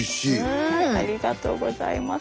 ありがとうございます。